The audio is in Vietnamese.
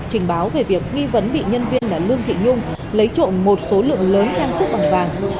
trình báo về việc nghi vấn bị nhân viên là lương thị nhung lấy trộm một số lượng lớn trang sức bằng vàng